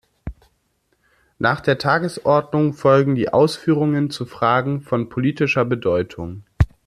Nach der Tagesordnung folgen die Ausführungen zu Fragen von politischer Bedeutung.